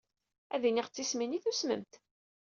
Ad d-iniɣ d tismin i tusmemt.